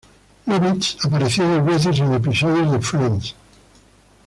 Lovitz apareció dos veces en episodios de "Friends".